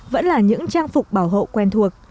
vẫn là những trang phục bảo hộ quen thuộc